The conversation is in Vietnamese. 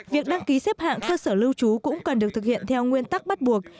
việc đăng ký xếp hạng cơ sở lưu trú cũng cần được thực hiện theo nguyên tắc bắt buộc